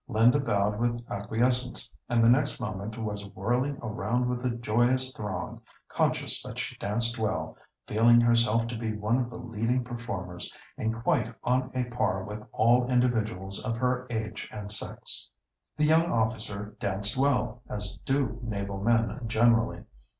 Linda bowed with acquiescence, and the next moment was whirling around with the joyous throng, conscious that she danced well, feeling herself to be one of the leading performers, and quite on a par with all other individuals of her age and sex. The young officer danced well, as do naval men generally.